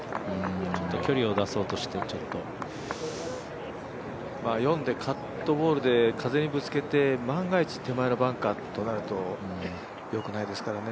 ちょっと距離を出そうとしてちょっと４でカットボールで手前にぶつけて万が一、手前のバンカーとなると、よくないですからね。